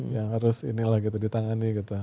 yang harus ini lah gitu ditangani gitu